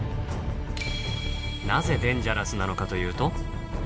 なぜデンジャラスなのかというと。